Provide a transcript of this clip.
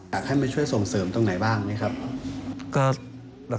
อยากให้มาช่วยส่งเสริมตรงไหนบ้างไหมครับ